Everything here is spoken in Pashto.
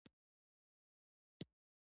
افغانستان د کابل سیند له پلوه یو غني هیواد دی.